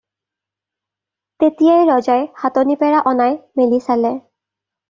তেতিয়াই ৰজাই, হাতনিপেৰা অনাই মেলি চালে।